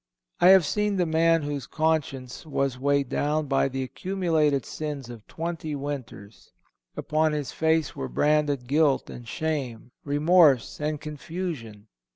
(468) I have seen the man whose conscience was weighed down by the accumulated sins of twenty winters. Upon his face were branded guilt and shame, remorse and confusion.